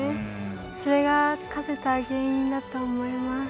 それが勝てた原因だと思います。